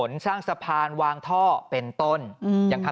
ปี๖๕วันเกิดปี๖๔ไปร่วมงานเช่นเดียวกัน